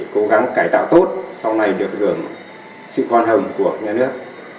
cảnh tạo tốt sau này được gửi sự quan hồng của nhà nước